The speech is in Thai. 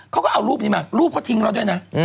เขาก็เอารูปนี้มารูปเขาทิ้งเราด้วยนะ